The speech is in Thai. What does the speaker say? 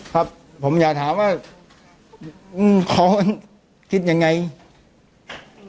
ครับผมอย่าถามว่าเค้าคิดยังไง๙๐๐บาท